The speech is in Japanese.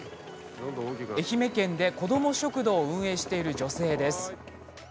愛媛県で、子ども食堂を運営している女性です。